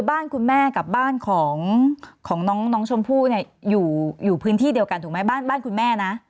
บ้านคุณแม่กับบ้านของน้องชมพู่เนี่ยอยู่พื้นที่เดียวกันถูกไหมบ้านคุณแม่นะ